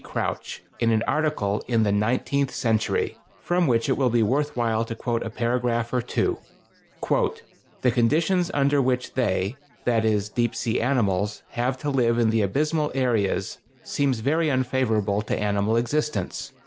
Crouch, in an article in "The Nineteenth Century," from which it will be worth while to quote a paragraph or two: The conditions under which they [that is, deep sea animals] have to live in the abysmal areas seem very unfavorable to animal existence.